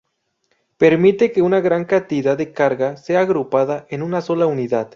Permite que una gran cantidad de carga sea agrupada en una sola unidad.